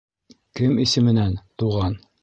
— Кем исеменән, туған?